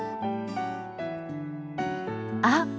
あっ！